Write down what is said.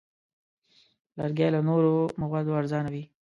لرګی له نورو موادو ارزانه وي.